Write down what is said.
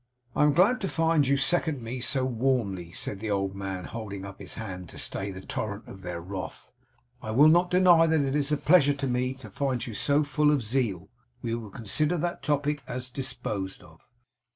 'I am glad to find you second me so warmly,' said the old man holding up his hand to stay the torrent of their wrath. 'I will not deny that it is a pleasure to me to find you so full of zeal. We will consider that topic as disposed of.